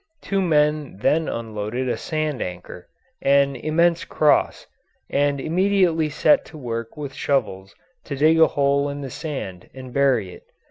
Two men then unloaded a sand anchor an immense cross and immediately set to work with shovels to dig a hole in the sand and bury it.